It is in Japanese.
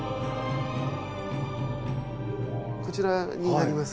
こちらになります。